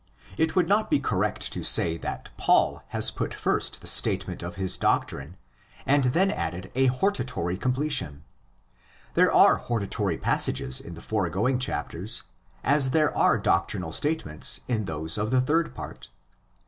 It would not be correct to say that Paul has put first the statement of his doctrine, and then added a hortatory completion. There are hortatory passages in the foregoing chapters, as there are doctrinal statements in those of the third part.